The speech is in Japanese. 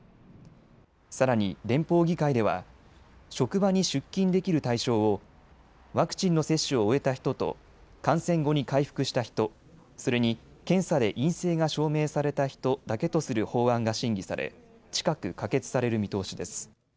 さらに連邦議会では職場に出勤できる対象をワクチンの接種を終えた人と感染後に回復した人、それに検査で陰性が証明された人だけとする法案が審議され近く可決される見通しです。